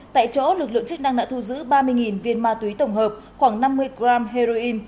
tại chỗ lực lượng chức năng đã thu giữ ba mươi viên ma túy tổng hợp khoảng năm mươi g heroin